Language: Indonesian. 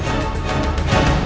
sampai jumpa lagi